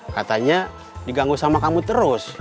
katanya diganggu sama kamu terus